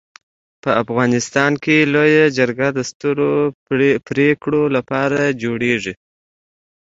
په افغانستان کي لويه جرګه د سترو پريکړو لپاره جوړيږي.